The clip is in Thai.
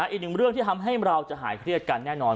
อีกหนึ่งเรื่องที่ทำให้เราจะหายเครียดกันแน่นอน